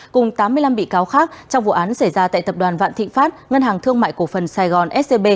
cùng tám mươi năm bị cáo khác trong vụ án xảy ra tại tập đoàn vạn thịnh pháp ngân hàng thương mại cổ phần sài gòn scb